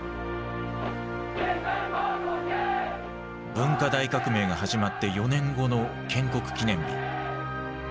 文化大革命が始まって４年後の建国記念日。